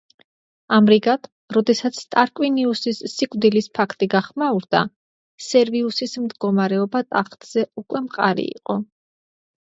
ამრიგად როდესაც ტარკვინიუსის სიკვდილის ფაქტი გახმაურდა სერვიუსის მდგომარეობა ტახტზე უკვე მყარი იყო.